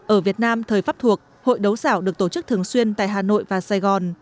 ở việt nam thời pháp thuộc hội đấu giảo được tổ chức thường xuyên tại hà nội và sài gòn